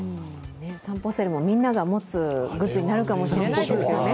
さんぽセルもみんなが持つグッズになるかもしれないですよね。